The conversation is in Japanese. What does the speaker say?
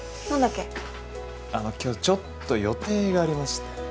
今日ちょっと予定がありまして。